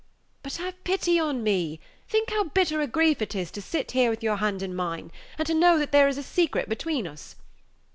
But have pity on me; think how bitter a grief it is to sit here with your hand in mine, and to know that there is a secret between us.